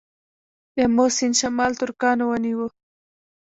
د امو سیند شمال ترکانو ونیو